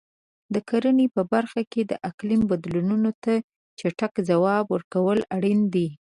د کرنې په برخه کې د اقلیم بدلونونو ته چټک ځواب ورکول اړین دي.